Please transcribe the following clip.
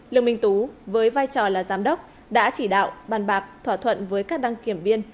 lương minh tú với vai trò là giám đốc đã chỉ đạo bàn bạc thỏa thuận với các đăng kiểm viên